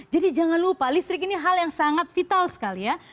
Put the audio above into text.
jadi jangan lupa listrik ini hal yang sangat vital sekali ya